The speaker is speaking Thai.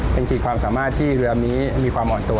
เป็นขีดความสามารถที่เรือนี้มีความอ่อนตัว